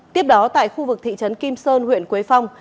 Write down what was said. tiếp đó tại khu vực thị trấn kim sơn huyện quế phong